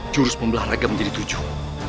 jurus membelah raga menjadi tujuan